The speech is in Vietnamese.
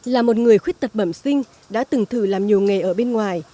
là một người khuyết tật bẩm sinh đã từng thử làm nhiều nghề ở bên ngoài